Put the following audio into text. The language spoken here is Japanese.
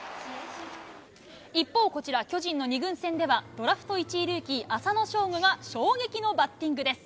一方こちら、巨人の２軍戦では、ドラフト１位ルーキー、浅野翔吾が衝撃のバッティングです。